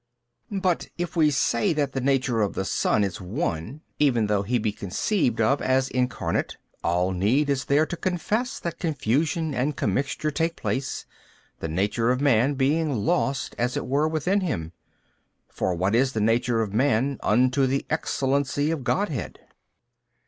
B. But if we say that the Nature of the Son is One, even though He be conceived of as Incarnate, all need is there to confess that confusion and commixture take place 21, |266 the nature of man being lost as it were within Him. For what is the nature of man unto the excellency of Godhead?